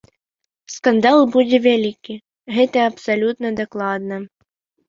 Скандал будзе вялікі, гэта абсалютна дакладна.